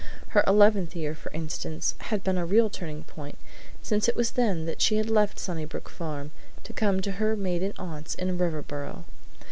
Her eleventh year, for instance, had been a real turning point, since it was then that she had left Sunnybrook Farm and come to her maiden aunts in Riverboro.